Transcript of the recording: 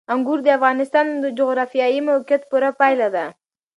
انګور د افغانستان د جغرافیایي موقیعت پوره پایله ده.